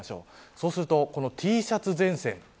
そうするとＴシャツ前線。